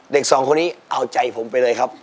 เด็กสองคนนี้เอาใจผมไปเลยครับ